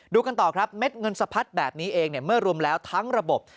กันต่อครับเม็ดเงินสะพัดแบบนี้เองเมื่อรวมแล้วทั้งระบบ